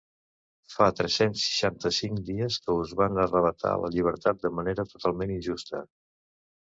Fa tres-cents seixanta-cinc dies que us van arravatar la llibertat de manera totalment injusta.